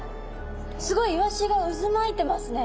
すごいイワシがうずまいてますね。